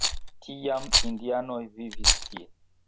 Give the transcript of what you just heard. Tiam indianoj vivis tie.